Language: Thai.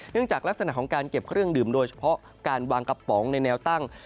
จากลักษณะของการเก็บเครื่องดื่มโดยเฉพาะการวางกระป๋องในแนวตั้ง